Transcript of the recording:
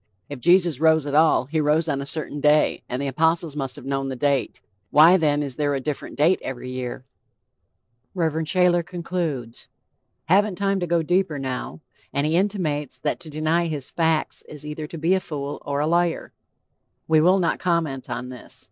If Jesus rose at all, he rose on a certain day, and the apostles must have known the date. Why then is there a different date every year? Rev. Shayler concludes: "Haven't time to go deeper now," and he intimates that to deny his 'facts' is either to be a fool or a "liar." We will not comment on this.